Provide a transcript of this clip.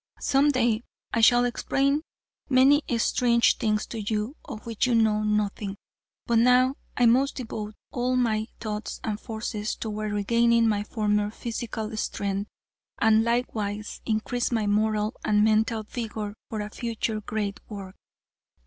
Some day I shall explain many strange things to you, of which you know nothing. But now I must devote all of my thoughts and forces toward regaining my former physical strength, and likewise increase my moral and mental vigor for a future great work."